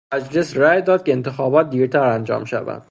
مجلس رای داد که انتخابات دیرتر انجام شود.